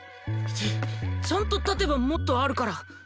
ちちゃんと立てばもっとあるから。